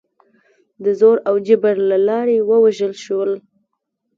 د زور او جبر له لارې ووژل شول.